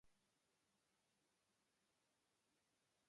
коњунктивна нормална форма